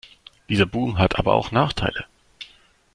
Dieser Boom hat aber auch Nachteile.